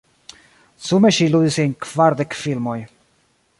Sume ŝi ludis en kvardek filmoj.